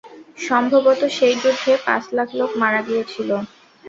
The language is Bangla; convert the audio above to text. সম্ভবত, সেই যুদ্ধে পাঁচ লাখ লোক মারা গিয়েছিল।